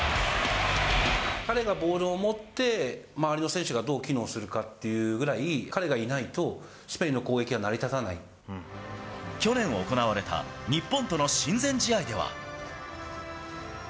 彼がボールを持って、周りの選手がどう機能するかっていうぐらい、彼がいないと、去年行われた日本との親善試合では。